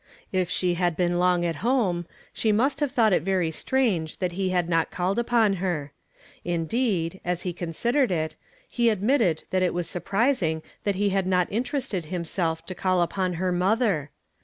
If she had been long at home, she must have thought it very strange that he had not called upon her. Indeed, as he considered it, he admitted that it was surprising that he had not interested himself to call upon lier mother.